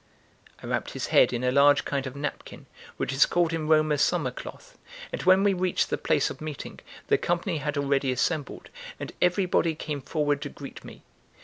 I wrapped his head in a large kind of napkin, which is called in Rome a summer cloth; and when we reached the place of meeting, the company had already assembled, and everybody came forward to greet me.